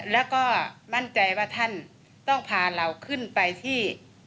แล้วก็มั่นใจว่าท่านต้องพาเราขึ้นไปที่